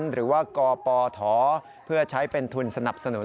หรือว่ากปทเพื่อใช้เป็นทุนสนับสนุน